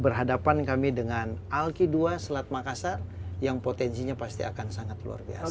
berhadapan kami dengan alki ii selat makassar yang potensinya pasti akan sangat luar biasa